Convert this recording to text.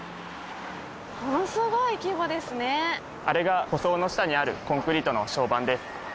あれが舗装の下にあるコンクリートの床版です。